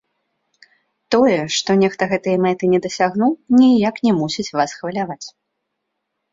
Тое, што нехта гэтай мэты не дасягнуў, ніяк не мусіць вас хваляваць.